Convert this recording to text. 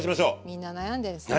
みんな悩んでるんすね。